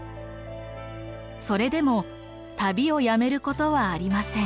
それでも旅をやめることはありません。